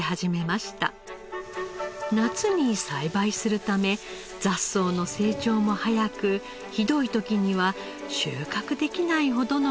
夏に栽培するため雑草の成長も早くひどい時には収穫できないほどの被害も。